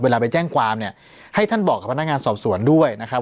ไปแจ้งความเนี่ยให้ท่านบอกกับพนักงานสอบสวนด้วยนะครับ